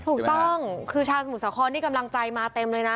ถูกต้องคือชาวสมุทรสาครนี่กำลังใจมาเต็มเลยนะ